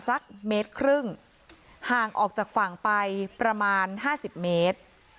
สักเมตรครึ่งห่างออกจากฝั่งไปประมาณห้าสิบเมตร